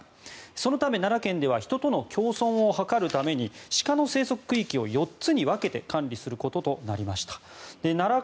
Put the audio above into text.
そのため、奈良県では人との共存を図るために鹿の生息区域を４つに分けて管理することとなりました。